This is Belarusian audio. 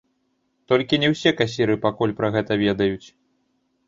Толькі не ўсе касіры пакуль пра гэта ведаюць.